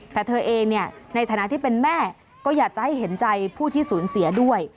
แต่เธอเองเนี่ยในฐานะที่เป็นแม่ก็อยากจะให้เห็นใจผู้ที่สูญเสียด้วย